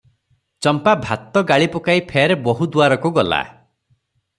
ଚମ୍ପା ଭାତ ଗାଳି ପକାଇ ଫେର ବୋହୂ ଦୁଆରକୁ ଗଲା ।